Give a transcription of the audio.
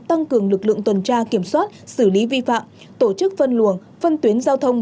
tăng cường lực lượng tuần tra kiểm soát xử lý vi phạm tổ chức phân luồng phân tuyến giao thông